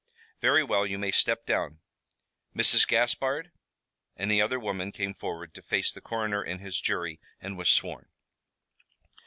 "Very well, you may step down. Mrs. Gaspard!" And the other woman came forward to face the coroner and his jury, and was sworn.